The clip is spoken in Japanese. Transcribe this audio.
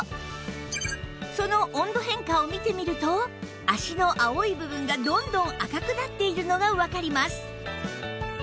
その温度変化を見てみると脚の青い部分がどんどん赤くなっているのがわかります